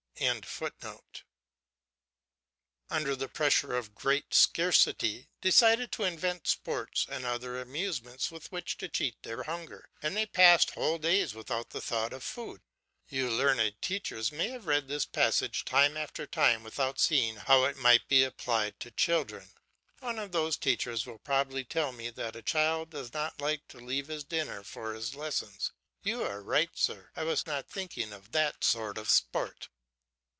] under the pressure of great scarcity, decided to invent sports and other amusements with which to cheat their hunger, and they passed whole days without thought of food. Your learned teachers may have read this passage time after time without seeing how it might be applied to children. One of these teachers will probably tell me that a child does not like to leave his dinner for his lessons. You are right, sir I was not thinking of that sort of sport.